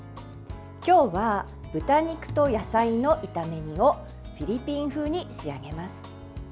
今日は豚肉と野菜の炒め煮をフィリピン風に仕上げます。